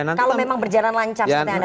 kalau memang berjalan lancar